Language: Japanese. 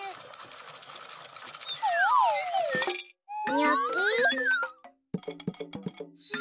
にょき。